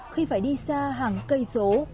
khi phải đi xa hàng cây số